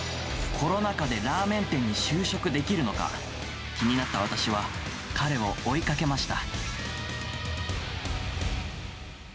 コロナ禍でラーメン店に就職できるのか、気になった私は彼を追いかけました。